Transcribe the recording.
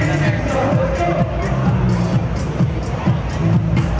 ว้าวว้าวว้าวว้าวว้าว